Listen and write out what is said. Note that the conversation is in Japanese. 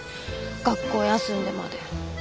学校休んでまで。